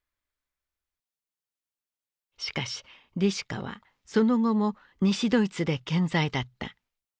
しかしリシュカはその後も西ドイツで健在だった。